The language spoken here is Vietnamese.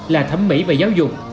là thẩm mỹ về giáo dục